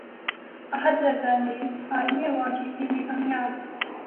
احد رضا میر عالمی ایوارڈ جیتنے میں کامیاب